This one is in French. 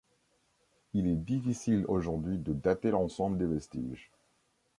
Il est difficile aujourd'hui de dater l'ensemble des vestiges.